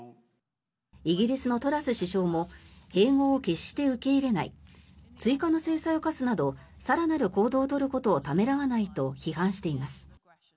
イギリスのトラス首相も併合を決して受け入れない追加の制裁を科すなど更なる行動を取ることをためらわないと批判しています。